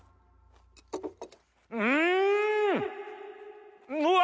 うん！うわ！